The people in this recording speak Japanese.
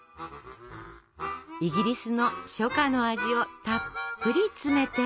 イギリスの初夏の味をたっぷり詰めて。